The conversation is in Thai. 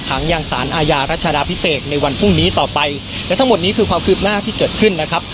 ขังยังสารอาญารัชดาพิเศษในวันพรุ่งนี้ต่อไปและทั้งหมดนี้คือความคืบหน้าที่เกิดขึ้นนะครับ